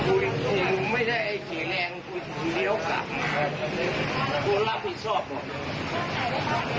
อุ้ยไม่ใช่ไอ้สีแรงกูเดี๋ยวกลับรับผิดชอบหมด